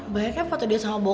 banyaknya foto dia sama bohong